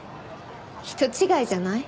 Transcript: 人違いじゃない？